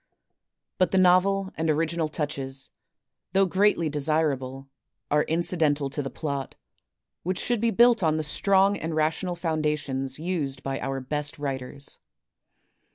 But the novel and original touches, though greatly de sirable, are incidental to the plot, which should be built on the strong and rational foundations used by our best writers.